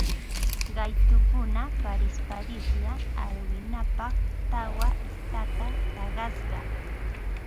Qaytukuna parisparislla arwinapaq tawa istaka takasqa